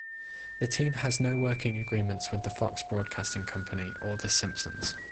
The team has no working agreements with the Fox Broadcasting Company or "The Simpsons".